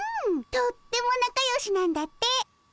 とってもなかよしなんだって。